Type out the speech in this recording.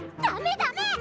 だめだめ！